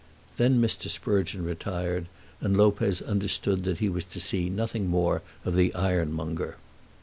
Then Mr. Sprugeon retired, and Lopez understood that he was to see nothing more of the ironmonger.